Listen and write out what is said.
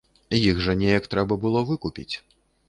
Іх жа неяк трэба было выкупіць.